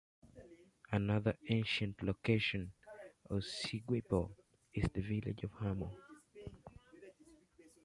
Another ancient location in Seogwipo is the village of Hamo.